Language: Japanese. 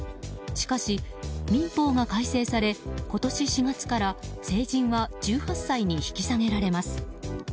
しかし、民法が改正され今年４月から成人は１８歳に引き下げられます。